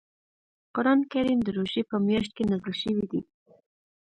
قران کریم د روژې په میاشت کې نازل شوی دی .